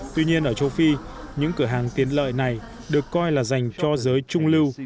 tuy nhiên ở châu phi những cửa hàng tiến lợi này được coi là dành cho giới trung lưu